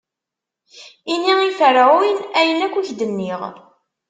Ini i Ferɛun ayen akk i k-d-nniɣ.